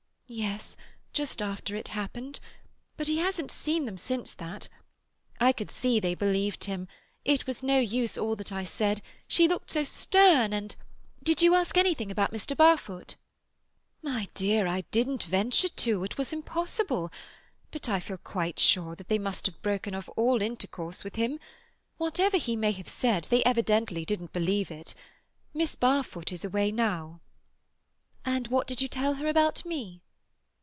"Yes—just after it happened. But he hasn't seen them since that. I could see they believed him. It was no use all that I said. She looked so stern and—" "Did you ask anything about Mr. Barfoot?" "My dear, I didn't venture to. It was impossible. But I feel quite sure that they must have broken off all intercourse with him. Whatever he may have said, they evidently didn't believe it. Miss Barfoot is away now." "And what did you tell her about me?"